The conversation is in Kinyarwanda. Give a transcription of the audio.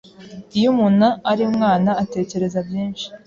Iyo umuntu ari umwana atekereza byinshi